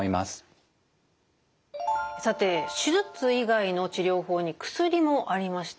さて手術以外の治療法に薬もありました。